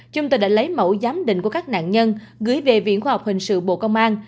trung tâm đã lấy mẫu giám định của các nạn nhân gửi về viện khoa học hình sự bộ công an